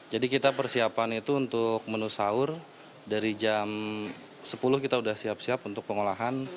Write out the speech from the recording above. jadi kita persiapan itu untuk menu sahur dari jam sepuluh kita udah siap siap untuk pengolahan